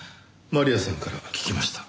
マリアさんから聞きました。